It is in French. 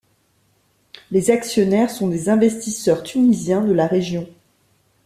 Les actionnaires sont des investisseurs tunisiens de la région.